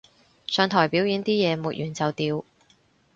上台表演啲嘢抹完就掉